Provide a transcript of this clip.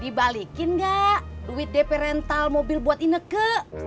dibalikin gak duit dp rental mobil buat ineke